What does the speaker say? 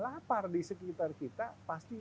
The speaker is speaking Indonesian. lapar di sekitar kita pasti